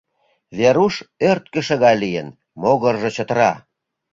Веруш ӧрткышӧ гай лийын, могыржо чытыра.